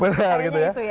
benar gitu ya